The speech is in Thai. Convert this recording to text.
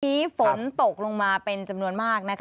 วันนี้ฝนตกลงมาเป็นจำนวนมากนะคะ